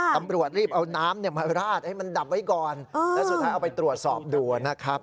ตำรวจรีบเอาน้ำมาราดให้มันดับไว้ก่อนแล้วสุดท้ายเอาไปตรวจสอบดูนะครับ